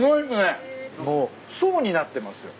もう層になってますよ。